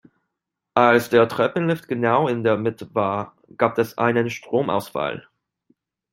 Als der Treppenlift genau in der Mitte war, gab es einen Stromausfall.